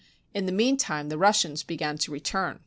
In the mean time the Russians began to return.